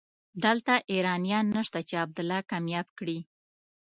دلته ايرانيان نشته چې عبدالله کامياب کړي.